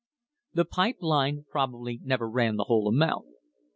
The pipe line probably never ran the whole amount.